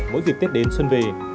mỗi dịp tết đến xuân về